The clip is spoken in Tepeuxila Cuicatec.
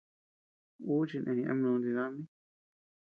Ú chineñ ama nunti dami.